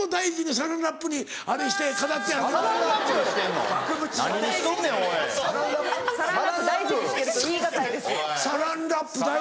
サランラップだよ